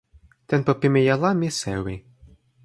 tenpo pimeja la, mi sewi.